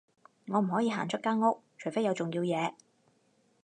我唔可以行出間屋，除非有重要嘢